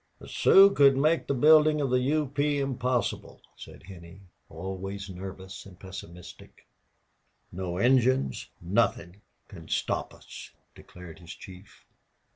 "The Sioux could make the building of the U. P. impossible," said Henney, always nervous and pessimistic. "No Indians nothing can stop us!" declared his chief.